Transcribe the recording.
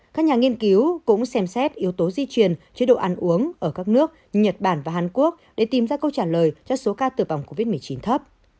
các nhà nghiên cứu cũng xem xét yếu tố di truyền chế độ ăn uống ở các nước nhật bản và hàn quốc để tìm ra câu trả lời cho số ca tử vong covid một mươi chín thấp